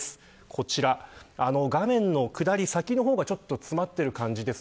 こちら、画面の下り、先の方がちょっと詰まっている感じです。